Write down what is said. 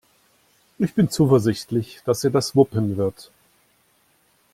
Ich bin zuversichtlich, dass er das wuppen wird.